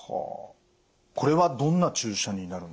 これはどんな注射になるんですか？